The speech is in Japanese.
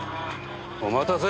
お待たせ。